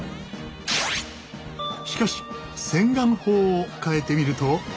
しかし洗顔法を変えてみると。